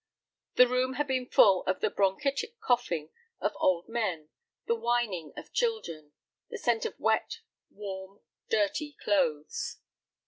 The room had been full of the bronchitic coughing of old men, the whining of children, the scent of wet, warm, dirty clothes.